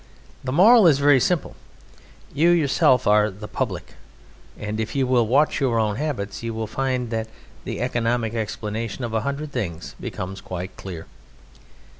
The moral is very simple. You yourselves are "The Public," and if you will watch your own habits you will find that the economic explanation of a hundred things becomes quite clear.